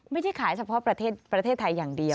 ไม่ใช่ขายเฉพาะประเทศไทยอย่างเดียว